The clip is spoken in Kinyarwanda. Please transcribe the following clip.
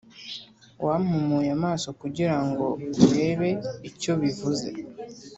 wampumuye amaso kugirango urebe icyo bivuze.